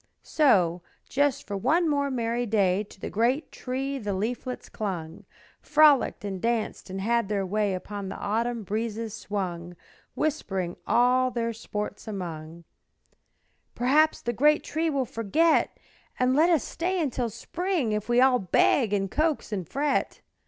So, just for one more merry day To the great Tree the leaflets clung, Frolicked and danced and had their way, Upon the autumn breezes swung, Whispering all their sports among, "Perhaps the great Tree will forget And let us stay until the spring If we all beg and coax and fret."